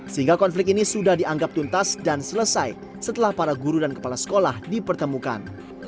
sehingga konflik ini sudah dianggap tuntas dan selesai setelah para guru dan kepala sekolah dipertemukan